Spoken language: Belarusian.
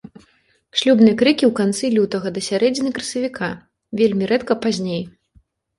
Шлюбныя крыкі ў канцы лютага да сярэдзіны красавіка, вельмі рэдка пазней.